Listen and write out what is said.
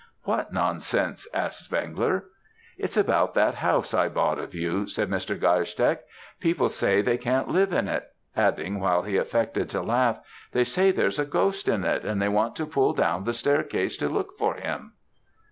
"'What nonsense?' asked Zwengler. "'It's about that house I bought of you,' said Mr. Geierstecke. 'People say they can't live in it;' adding, while he affected to laugh; 'They say there's a ghost in it, and they want to pull down the staircase to look for him.'